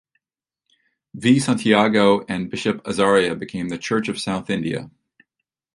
V Santiago and Bishop Azariah became the Church of South India.